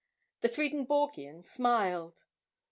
The Swedenborgian smiled.